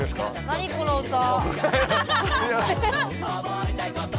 何この歌。